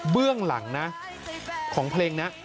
เบื้องหลังนะของเพลงนี้